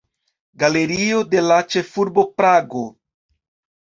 Galerio de la Ĉefurbo Prago.